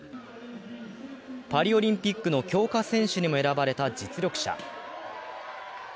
パリオリンピックの強化選手にも選ばれた実力者。